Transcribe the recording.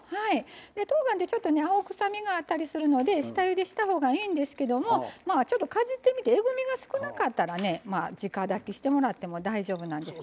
とうがんってちょっとね青臭みがあったりするので下ゆでしたほうがいいんですけどもちょっとかじってみてえぐみが少なかったらね直だきしてもらっても大丈夫なんです。